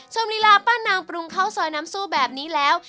ลีลาป้านางปรุงข้าวซอยน้ำซู่แบบนี้แล้ว